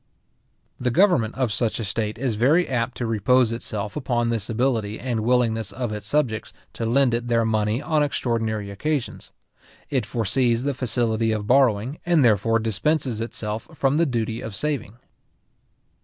The government of such a state is very apt to repose itself upon this ability and willingness of its subjects to lend it their money on extraordinary occasions. It foresees the facility of borrowing, and therefore dispenses itself from the duty of saving.